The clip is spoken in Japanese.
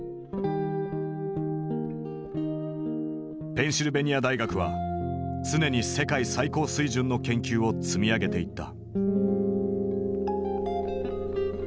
ペンシルベニア大学は常に世界最高水準の研究を積み上げていった。